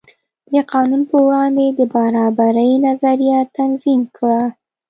د قانون په وړاندې د برابرۍ نظریه تنظیم کړه.